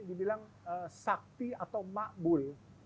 dibilang sakti atau makbul